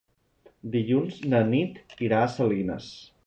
Dilluns na Nit irà a Salines.